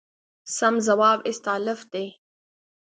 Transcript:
سم ځواب استالف دی.